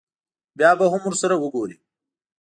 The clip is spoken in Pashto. بیا به هم ورسره وګوري.